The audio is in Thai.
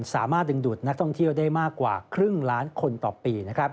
สามารถดึงดูดนักท่องเที่ยวได้มากกว่าครึ่งล้านคนต่อปี